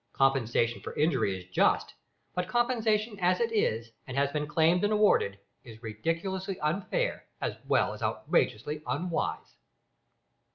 Compensation for injury is just, but compensation as it is, and has been claimed and awarded, is ridiculously unfair, as well as outrageously unwise.